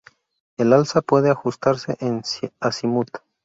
El alza puede ajustarse en acimut.